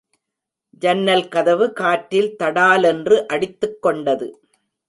ஜன்னல் கதவு காற்றில் தடாலென்று அடித்துக்கொண்டது.